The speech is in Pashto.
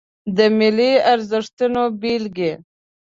د ملي ارزښتونو بیلګې